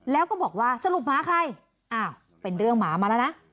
แล้วก็บอกว่าสรุปหมาใครอ้าวเป็นเรื่องหมามาแล้วนะ